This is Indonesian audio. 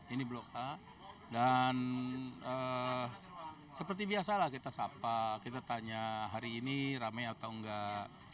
ini blok a dan seperti biasalah kita sapa kita tanya hari ini rame atau enggak